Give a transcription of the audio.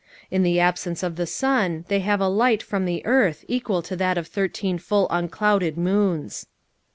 In the absence of the sun they have a light from the earth equal to that of thirteen full unclouded moons.